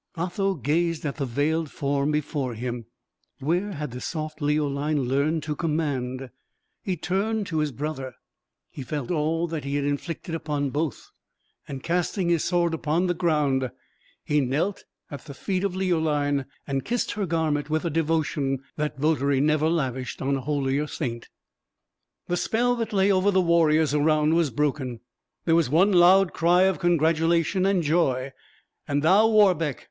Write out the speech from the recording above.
Otho gazed at the veiled form before him. Where had the soft Leoline learned to command? He turned to his brother; he felt all that he had inflicted upon both; and casting his sword upon the ground, he knelt at the feet of Leoline and kissed her garment with a devotion that votary never lavished on a holier saint. The spell that lay over the warriors around was broken; there was one loud cry of congratulation and joy. "And thou, Warbeck!"